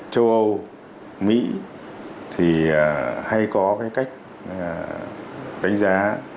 châu âu mỹ thì hay có cái cách đánh giá